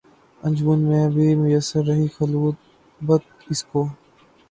انجمن میں بھی میسر رہی خلوت اس کو